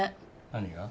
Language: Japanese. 何が？